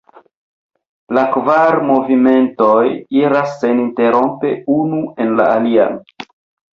La kvar movimentoj iras seninterrompe unu en la alian.